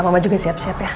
mama juga siap siap ya